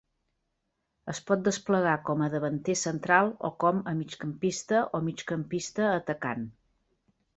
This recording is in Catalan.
Es pot desplegar com a davanter central o com a migcampista o migcampista atacant.